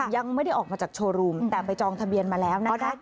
ยังไม่ได้ออกมาจากโชว์รูมแต่ไปจองทะเบียนมาแล้วนะคะ